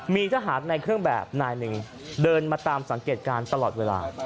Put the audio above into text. มีทหารในเครื่องแบบนายหนึ่งเดินมาตามสังเกตการณ์ตลอดเวลา